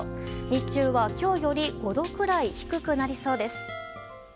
日中は今日より５度くらい低くなりそうです。